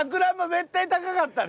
絶対高かったで。